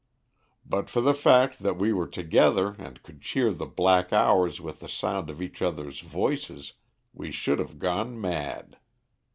But for the fact that we were together and could cheer the black hours with the sound of each other's voices we should have gone mad.